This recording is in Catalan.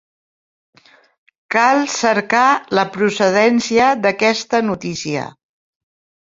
Cal cercar la procedència d'aquesta notícia.